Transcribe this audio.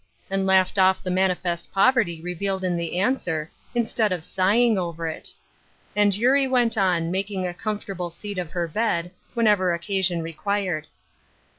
" and laughed off the man ifest poverty revealed in the answer, instead of sighing over it. And Eurie went on, making a comfortable seat of her bed, whenever occasion required.